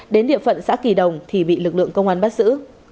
đến địa phận xã kỳ đồng thì bị lực lượng công an bắt giữ